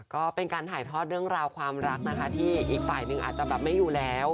ก็เป็นการถ่ายทอดเรื่องราวความรักนะคะที่อีกฝ่ายหนึ่งอาจจะแบบไม่อยู่แล้ว